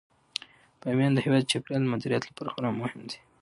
بامیان د هیواد د چاپیریال د مدیریت لپاره خورا مهم دی.